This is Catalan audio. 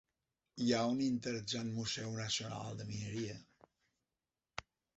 Hi ha un interessant Museu Nacional de Mineria.